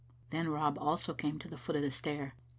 Then Rob also came to the foot of the stair.